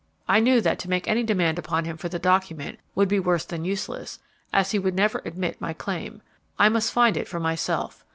I knew that to make any demand upon him for the document would be worse than useless, as he would never admit my claim. I must find it for myself.